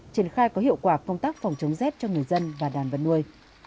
triển khai có hiệu quả công tác phòng chống rét cho người dân và đàn vật nuôi